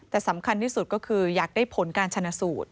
แต่สำคัญที่สุดก็คืออยากได้ผลการชนะสูตร